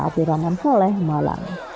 tapi rombongan seleh malang